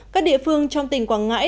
các địa phương trong tỉnh quảng ngãi